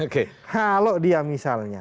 kalau dia misalnya